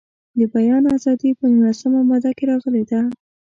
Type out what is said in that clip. د بیان ازادي په نولسمه ماده کې راغلې ده.